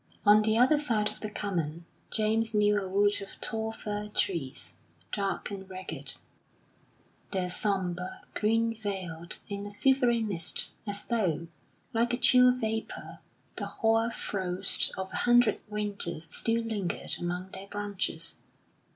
On the other side of the common, James knew a wood of tall fir trees, dark and ragged, their sombre green veiled in a silvery mist, as though, like a chill vapour, the hoar frost of a hundred winters still lingered among their branches.